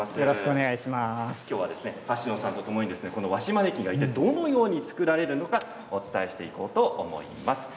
きょうは橋野さんとともに和紙マネキンがどのように作られているのかお伝えしていこうと思います。